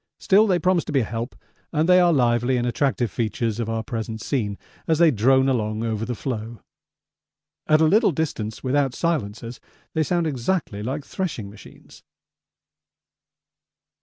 Still they promise to be a help, and they are lively and attractive features of our present scene as they drone along over the floe. At a little distance, without silencers, they sound exactly like threshing machines.